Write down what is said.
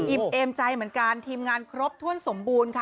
เอมใจเหมือนกันทีมงานครบถ้วนสมบูรณ์ค่ะ